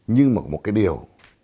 nhưng mà một cái điều